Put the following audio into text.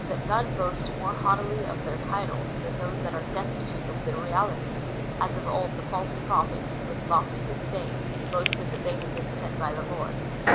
49 tliat none boast more haughtily of their titles than those that are destitute of the reality ; as of old the false prophets, with lofty disdain, boasted that they had been sent by the Lord.